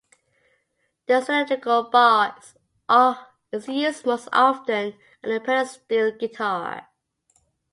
The cylindrical bar is used most often on the pedal steel guitar.